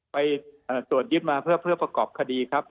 ไปตรวจยึดมาเพื่อประกอบคดีครับ